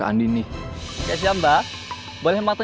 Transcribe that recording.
andin sama siapa tuh